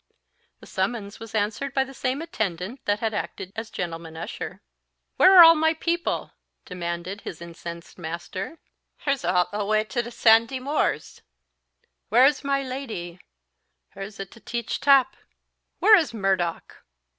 The summons was answered by the same attendant that had acted as gentleman usher. "'Where are all my people?" demanded his incensed master. "Hurs aw awa tull ta Sandy More's." "Where is my Lady?" "Hurs i' ta teach tap." House top. "'Where is Murdoch?"